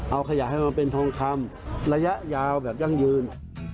เอาขยะให้มาเป็นทองคำระยะยาวแบบยั่งยืน